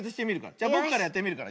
じゃぼくからやってみるから。